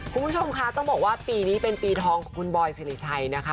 คุณผู้ชมคะต้องบอกว่าปีนี้เป็นปีทองของคุณบอยสิริชัยนะคะ